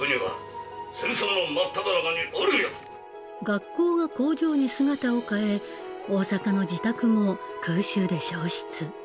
学校が工場に姿を変え大阪の自宅も空襲で焼失。